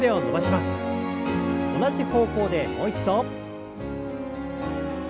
同じ方向でもう一度。